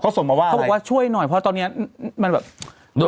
เขาบอกว่าช่วยหน่อยเพราะตอนนี้มันแบท